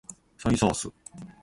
ソイソース